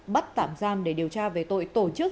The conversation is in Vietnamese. bắt tạm giam để điều tra về tội tổ chức